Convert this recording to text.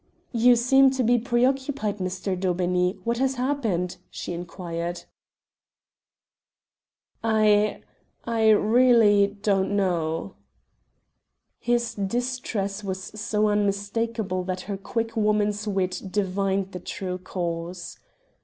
"You seem to be preoccupied, Mr. Daubeney. What has happened?" she inquired. "I I really don't know." His distress was so unmistakable that her quick woman's wit divined the true cause.